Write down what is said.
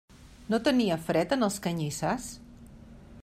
No tenia fred en els canyissars?